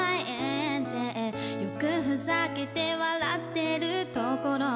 「よくふざけて笑ってるところ」